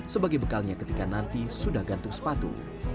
sebagai bekalnya ketika nanti sudah gantung sepatu